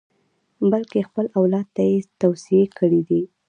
بلکې خپل اولاد ته یې توصیې کړې دي.